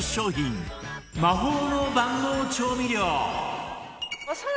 魔法の万能調味料